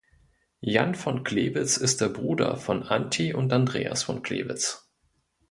Jan von Klewitz ist der Bruder von Anti und Andreas von Klewitz.